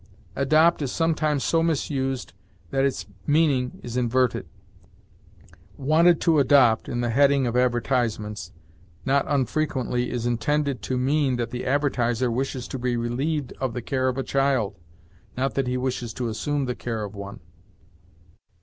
Adopt is sometimes so misused that its meaning is inverted. "Wanted to adopt," in the heading of advertisements, not unfrequently is intended to mean that the advertiser wishes to be relieved of the care of a child, not that he wishes to assume the care of one.